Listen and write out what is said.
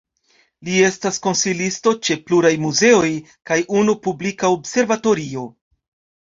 Li estas konsilisto ĉe pluraj muzeoj kaj unu publika observatorio.